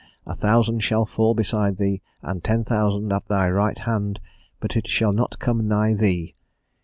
A thousand shall fall besides thee, and ten thousand at thy right hand; but it shall not come nigh thee....